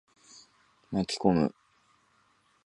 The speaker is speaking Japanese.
巻き込む。